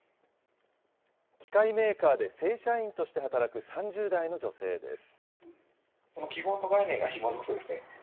機械メーカーで正社員として働く３０代の女性です。